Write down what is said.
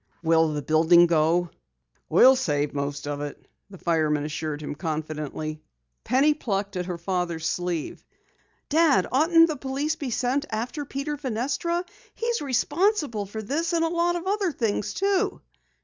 "Will the building go?" "We'll save most of it," the fireman assured him confidently. Penny plucked at her father's sleeve. "Dad, oughtn't the police be sent after Peter Fenestra? He's responsible for this, and a lot of other things, too!"